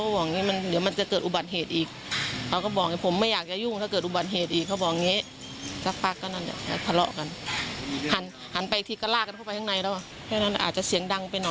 ตอนแรกป้านึงว่าเขาแค่ไปขู่กันก็เลยไม่ได้สนใจก็ขายข้าวไป